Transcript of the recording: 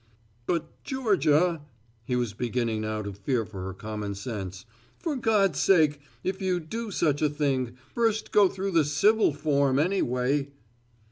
"But, Georgia," he was beginning now to fear for her common sense, "for God's sake, if you do such a thing, first go through the civil form anyway."